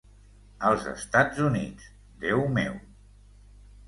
Als Estats Units, Déu meu.